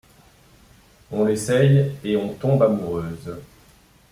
Elle l'essaye et en tombe amoureuse.